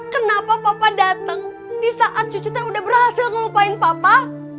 kenapa papa datang saat cucu sudah berhasil lupakan papa